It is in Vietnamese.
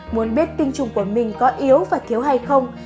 muốn biết tinh trùng của mình có yếu và thiếu hay không